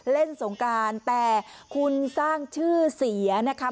สงการแต่คุณสร้างชื่อเสียนะคะ